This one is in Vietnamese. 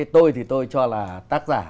tôi thì tôi cho là tác giả